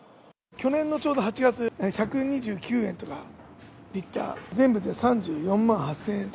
去年のちょうど８月、１２９円とか、リッター、全部で３４万８０００円と。